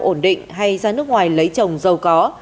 ổn định hay ra nước ngoài lấy chồng giàu có